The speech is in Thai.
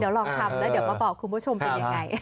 เดี๋ยวลองทำแล้วเดี๋ยวมาบอกคุณผู้ชมเป็นยังไง